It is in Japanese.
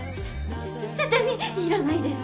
絶対にいらないです。